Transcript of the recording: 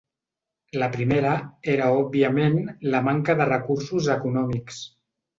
La primera era òbviament la manca de recursos econòmics.